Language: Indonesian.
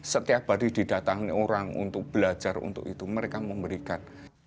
setiap hari didatangi orang untuk belajar untuk itu mereka memberikan